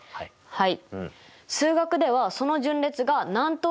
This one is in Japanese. はい。